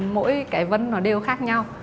mỗi cái vấn nó đều khác nhau